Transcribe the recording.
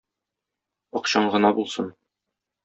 Акчаң гына булсын.